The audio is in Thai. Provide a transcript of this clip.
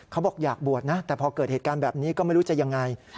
เขาบอกอยากบวชนะแต่พอเกิดเหตุการณ์แบบนี้ก็ไม่รู้จะยังไง